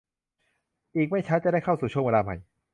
อีกไม่ช้าจะได้เข้าสู่ช่วงเวลาใหม่